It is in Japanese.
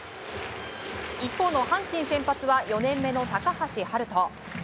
一方、阪神先発は４年目の高橋遥人。